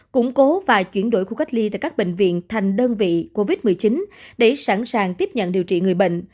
củng cố và chuyển đổi khu cách ly tại các bệnh viện thành đơn vị covid một mươi chín để sẵn sàng tiếp nhận điều trị người bệnh